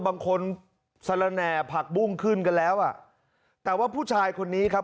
บางคนสละแหน่ผักบุ้งขึ้นกันแล้วอ่ะแต่ว่าผู้ชายคนนี้ครับ